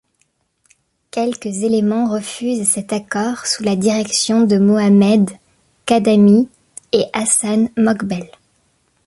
Quelques éléments refusent cet accord, sous la direction de Mohamed Kadamy et Hassan Mokbel.